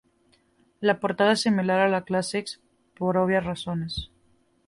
La portada es similar a la de Classics por obvias razones.